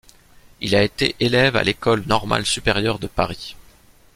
Il a été élève à l'école normale supérieure de Paris.